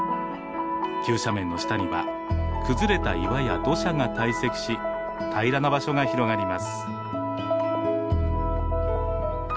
急斜面の下には崩れた岩や土砂が堆積し平らな場所が広がります。